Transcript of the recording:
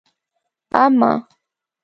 اما